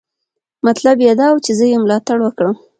مطلب یې دا و چې زه یې ملاتړ وکړم.